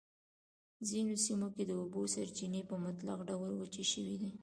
ځینو سیمو کې د اوبو سرچېنې په مطلق ډول وچې شوی دي.